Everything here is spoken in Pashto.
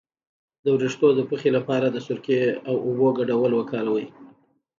د ویښتو د پخې لپاره د سرکې او اوبو ګډول وکاروئ